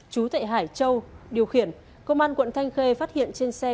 chú thệ hải châu điều khiển công an quận thanh khê phát hiện trên xe